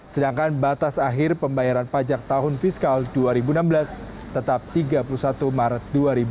sedangkan batas akhir pembayaran pajak tahun fiskal dua ribu enam belas tetap tiga puluh satu maret dua ribu dua puluh